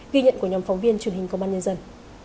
ghi nhận của nhóm phóng viên truyền hình công an nhân dân